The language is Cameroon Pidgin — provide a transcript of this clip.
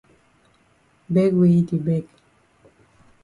Beg wey yi di beg.